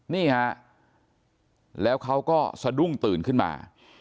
นี่ฮะแล้วเขาก็สะดุ้งตื่นขึ้นมา